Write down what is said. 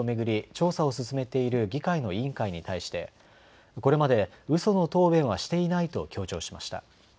調査を進めている議会の委員会に対してこれまでうその答弁はしていないと強調しました。